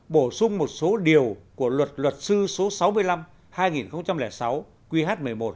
bổ sung một số điều của luật luật sư số sáu mươi năm hai nghìn sáu qh một mươi một